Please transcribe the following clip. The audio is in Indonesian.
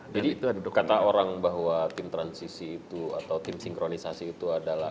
jadi kata orang bahwa tim transisi itu atau tim sinkronisasi itu adalah